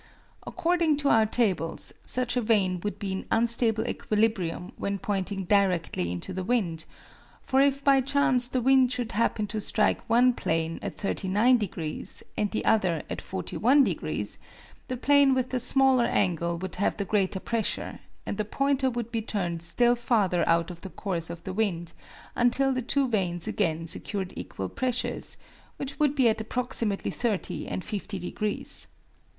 According to our tables, such a vane would be in unstable equilibrium when pointing directly into the wind; for if by chance the wind should happen to strike one plane at 39 degrees and the other at 41 degrees, the plane with the smaller angle would have the greater pressure, and the pointer would be turned still farther out of the course of the wind until the two vanes again secured equal pressures, which would be at approximately 30 and 50 degrees.